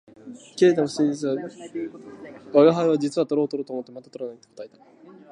けれども事実は事実で偽る訳には行かないから、吾輩は「実はとろうとろうと思ってまだ捕らない」と答えた